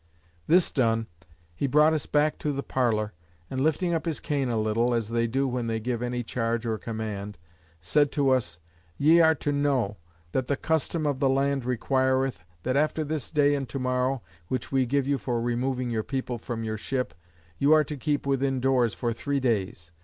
This done, he brought us back to the parlour, and lifting up his cane a little, (as they do when they give any charge or command) said to us, "Ye are to know, that the custom of the land requireth, that after this day and to morrow, (which we give you for removing of your people from your ship,) you are to keep within doors for three days.